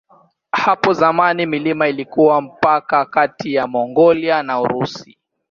Hapo zamani milima ilikuwa mpaka kati ya Mongolia na Urusi.